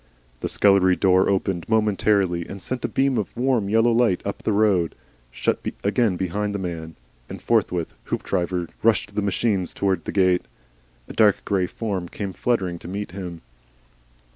The scullery door opened momentarily and sent a beam of warm, yellow light up the road, shut again behind the man, and forthwith Hoopdriver rushed the machines towards the gate. A dark grey form came fluttering to meet him.